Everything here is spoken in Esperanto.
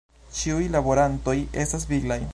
Ĉiuj laborantoj estas viglaj.